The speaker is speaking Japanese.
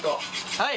はい！